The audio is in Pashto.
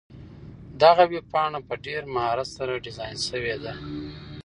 دغه ویبپاڼه په ډېر مهارت سره ډیزاین شوې ده.